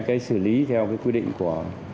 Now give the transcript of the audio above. cái xử lý theo cái quy định của